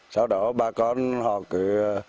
sau đó bà con họ cứ